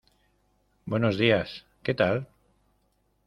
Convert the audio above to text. Buenos días, ¿qué tal?